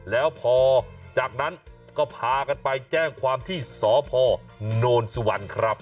แล้วพอจากนั้นก็พากันไปแจ้งความที่สพโนนสุวรรณครับ